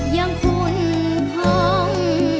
อย่างคุณพร้อม